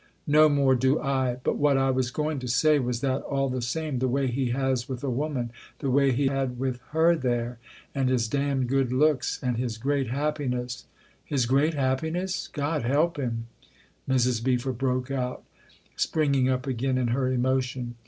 " No more do I. But what I was going to say was that, all the same, the way he has with a woman, the way he had with her there, and his damned good looks and his great happiness " His great happiness ? God help him !" Mrs. Beever broke out, springing up again in her emotion.